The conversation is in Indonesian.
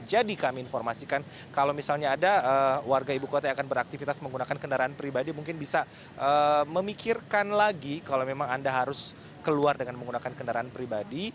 jadi kami informasikan kalau misalnya ada warga ibu kota yang akan beraktivitas menggunakan kendaraan pribadi mungkin bisa memikirkan lagi kalau memang anda harus keluar dengan menggunakan kendaraan pribadi